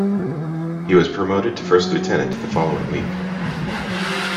He was promoted to first lieutenant the following week.